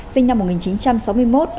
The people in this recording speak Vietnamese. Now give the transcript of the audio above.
sinh năm một nghìn chín trăm sáu mươi một